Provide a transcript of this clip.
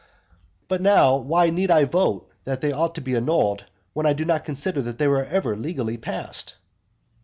But now why need I vote that they ought to be annulled, when I do not consider that they were ever legally passed?